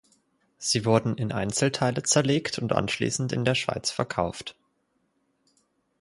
Sie wurden in Einzelteile zerlegt und anschließend in der Schweiz verkauft.